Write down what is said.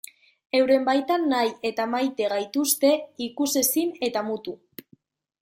Euren baitan nahi eta maite gaituzte, ikusezin eta mutu.